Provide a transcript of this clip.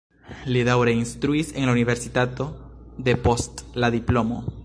Li daŭre instruis en la universitato depost la diplomo.